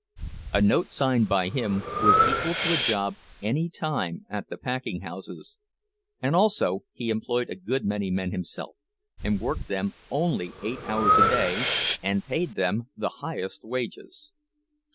A note signed by him was equal to a job any time at the packing houses; and also he employed a good many men himself, and worked them only eight hours a day, and paid them the highest wages.